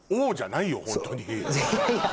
いやいや。